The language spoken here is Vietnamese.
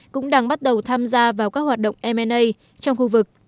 cũng đang bắt đầu tham gia vào các hoạt động m a trong khu vực